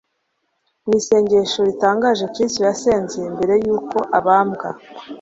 mu isengesho ritangaje kristo yasenze mbere y'uko abambwa